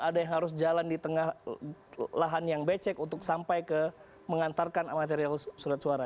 ada yang harus jalan di tengah lahan yang becek untuk sampai ke mengantarkan material surat suara